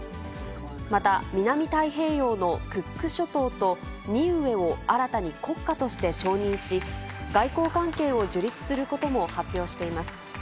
また、南太平洋のクック諸島とニウエを新たに国家として承認し、外交関係を樹立することも発表しています。